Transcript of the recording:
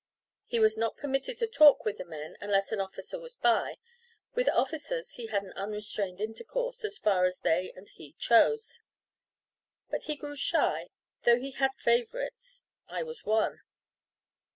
He was not permitted to talk with the men, unless an officer was by. With officers he had unrestrained intercourse, as far as they and he chose. But he grew shy, though he had favourites: I was one.